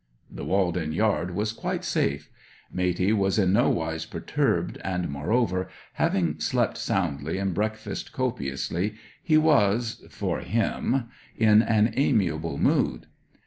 The walled in yard was quite safe. Matey was in nowise perturbed, and, moreover, having slept soundly and breakfasted copiously, he was, for him, in an amiable mood.